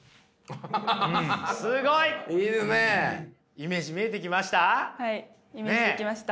イメージ見えてきました？